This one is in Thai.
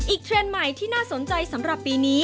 เทรนด์ใหม่ที่น่าสนใจสำหรับปีนี้